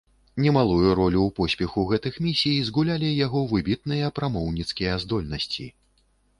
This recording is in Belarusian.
Немалую ролю ў поспеху гэтых місій згулялі яго выбітныя прамоўніцкія здольнасці.